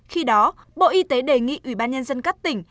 khi đó bộ y tế đề nghị ủy ban nhân dân các tỉnh